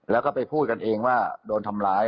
แล้วก็ไปพูดกันเองว่าโดนทำร้าย